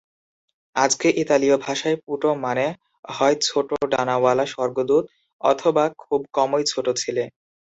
আজকে, ইতালীয় ভাষায় "পুটো" মানে হয় ছোট ডানাওয়ালা স্বর্গদূত অথবা খুব কমই ছোট ছেলে।